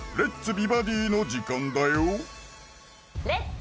美バディ」の時間だよ「レッツ！